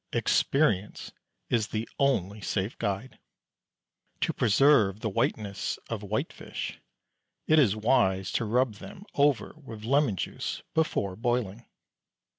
Experience is the only safe guide. To preserve the whiteness of white fish, it is wise to rub them over with lemon juice before boiling.